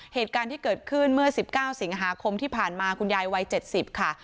เหตุการณ์ที่เกิดขึ้นเมื่อ๑๙สิงหาคมที่ผ่านมาคุณยายวัย๗๐ค่ะ